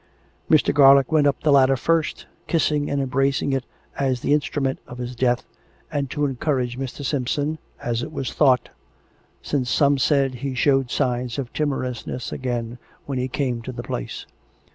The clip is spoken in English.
" Mr. Garlick went up the ladder first, kissing and em bracing it as the instrument of his death, and to encourage Mr. Simpson, as it was thought, since some said he showed signs of timorousness again when he came to the place.